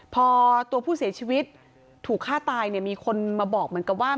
พอตัวผู้เสียชีวิตถูกฆ่าตายเนี่ยมีคนมาบอกเหมือนกับว่า